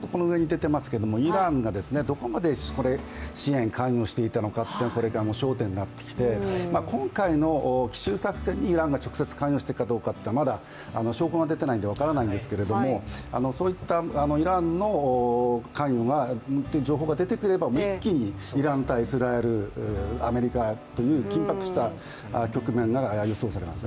イランがどこまで支援、介護していたのかというのが焦点になってきて今回の奇襲作戦にイランが直接関与しているかどうかは、まだ、証拠が出てないので分からないんですが、そういったイランの関与は情報が出てくれば一気にイラン対イスラエル、アメリカという緊迫した局面が予想されます。